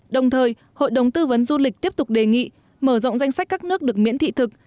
đồng thời hội đồng tư vấn du lịch tiếp tục đề nghị mở rộng danh sách các nước được miễn thị thực